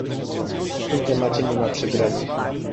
W tym temacie nie ma przegranych